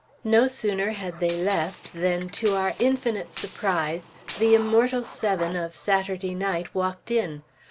No sooner had they left than, to our infinite surprise, the immortal seven of Saturday night walked in.